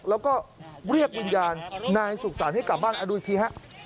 แล้วก็เรียกวิญญาณนายสุขสรรค์ให้กลับบ้านเอาดูอีกทีฮะ